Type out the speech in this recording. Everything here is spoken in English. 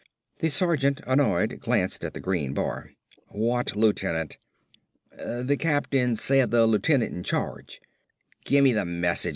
The sergeant, annoyed, glanced at the green bar. "What lieutenant?" "The captain said the lieutenant in charge." "Gimmee the message.